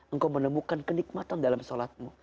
engkau menemukan kenikmatan dalam sholatmu